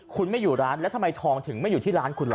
คุณไม่อยู่ร้านแล้วทำไมทองถึงไม่อยู่ที่ร้านคุณล่ะ